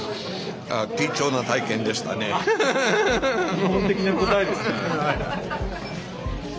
日本的な答えですね。